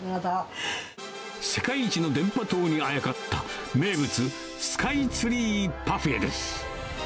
世界一の電波塔にあやかった名物、スカイツリーパフェです。